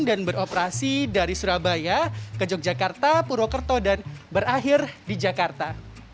dan beroperasi dari surabaya ke yogyakarta purwokerto dan berakhir di jakarta